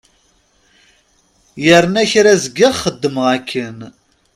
Yerna kra zgiɣ xeddmeɣ akken.